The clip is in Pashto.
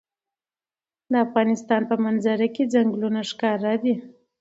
د افغانستان په منظره کې چنګلونه ښکاره ده.